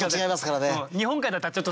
「日本海」だったらちょっと強いし。